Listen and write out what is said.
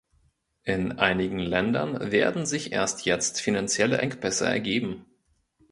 In einigen Ländern werden sich erst jetzt finanzielle Engpässe ergeben.